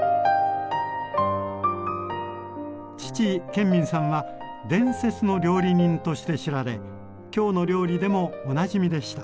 父建民さんは伝説の料理人として知られ「きょうの料理」でもおなじみでした。